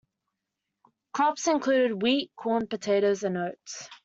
Crops included wheat, corn, potatoes and oats.